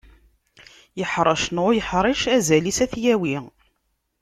Yeḥrec neɣ ur yeḥric, azal-is ad t-yawi.